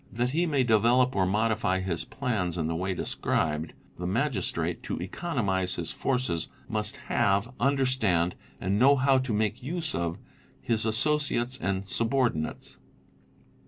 That he may develop or modify his plans in the way described, the Magistrate, to economise his forces, must have, understand, and know how to make use of, his associates and subordi nates.